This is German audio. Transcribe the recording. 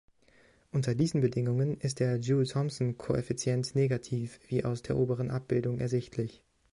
Unter diesen Bedingungen ist der Joule-Thomson-Koeffizient negativ, wie aus der oberen Abbildung ersichtlich.